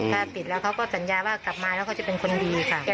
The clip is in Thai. ถ้าติดแล้วเขาก็สัญญาว่ากลับมาแล้วเขาจะเป็นคนดีค่ะ